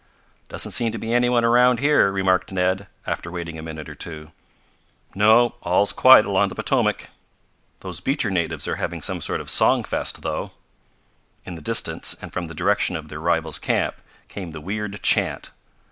"Doesn't seem to be any one around here," remarked Ned, after waiting a minute or two. "No. All's quiet along the Potomac. Those Beecher natives are having some sort of a song fest, though." In the distance, and from the direction of their rivals' camp, came the weird chant.